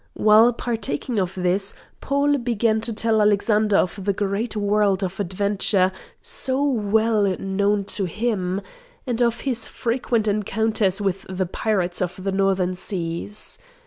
While partaking of this Paul began to tell Alexander of the great world of adventure so well known to him, and of his frequent encounters with the pirates of the northern seas.